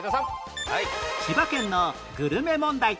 千葉県のグルメ問題